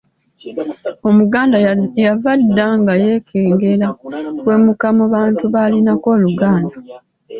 Omuganda yava dda nga yeekengera okuwemuka mu bantu b’alinako oluganda.